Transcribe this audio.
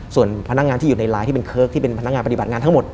ส่วนพนักงานที่อยู่ในไลน์ที่เป็นเคิร์กที่เป็นพนักงานปฏิบัติงานทั้งหมด